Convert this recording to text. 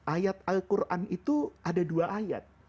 ayat al quran itu ada dua ayat